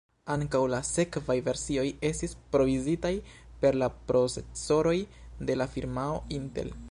Ankaŭ la sekvaj versioj estis provizitaj per la procesoroj de la firmao Intel.